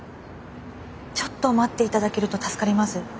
ちょっと待って頂けると助かります。